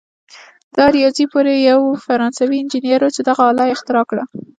دا ریاضي پوه یو فرانسوي انجنیر وو چې دغه آله یې اختراع کړه.